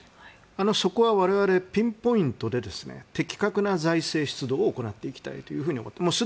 そこは我々ピンポイントで的確な財政出動を行っていきたいと思っています。